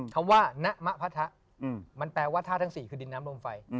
คำว่าณมะพะทะมันแปลว่าท่าทั้ง๔คือดินน้ำลมไฟ